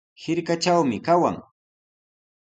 Hirkatrawmi kawan.